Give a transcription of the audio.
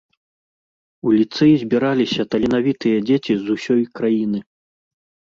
У ліцэй збіраліся таленавітыя дзеці з усёй краіны.